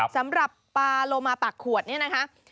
สำหรับปลาโลมาปากขวดเนี่ยนะคะ